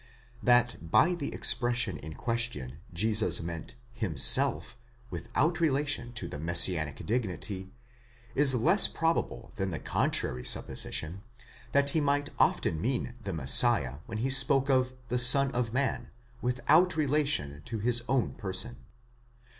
That by the expression in question Jesus meant himself, without relation to the messianic dignity, is less probable than the contrary supposition, that he might often mean the Messiah when he spoke of the Son of Man, without . relation to his own person.